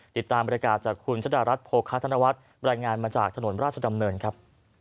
ติดตามบริการจากคุณชะดารัฐโภคาธนวัฒน์รายงานมาจากถนนราชดำเนินครับ